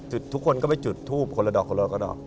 ทุกคนไปจุดทูบคนละดอก